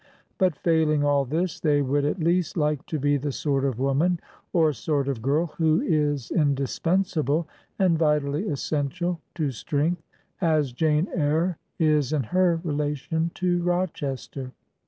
But failing all this, they would at least like to be the sort of woman or sort of girl who is indispensable and vitally essential to strength, as Jane Eyre is in her relation to Rochester.